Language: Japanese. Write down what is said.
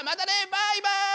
バイバイ！